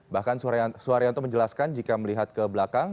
bahkan suharyanto menjelaskan jika melihat ke belakang